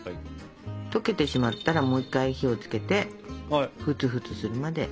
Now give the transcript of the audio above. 溶けてしまったらもう一回火をつけてフツフツするまで。